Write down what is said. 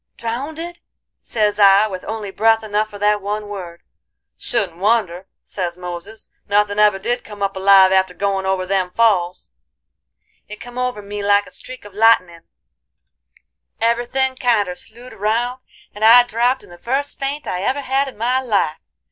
"'Drownded?' sez I, with only breath enough for that one word. 'Shouldn't wonder,' sez Moses, 'nothin' ever did come up alive after goin' over them falls.' "It come over me like a streak of lightenin'; every thin' kinder slewed round, and I dropped in the first faint I ever had in my life.